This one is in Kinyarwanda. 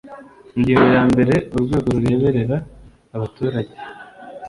Ingingo ya mbere Urwego rureberera ababaturage